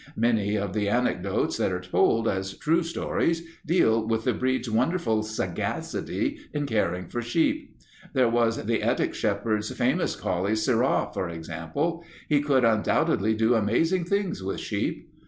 Many of the anecdotes that are told as true stories deal with the breed's wonderful sagacity in caring for sheep. There was the Ettrick Shepherd's famous collie Sirrah, for example. He could undoubtedly do amazing things with sheep.